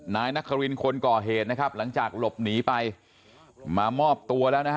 นายนครินคนก่อเหตุนะครับหลังจากหลบหนีไปมามอบตัวแล้วนะฮะ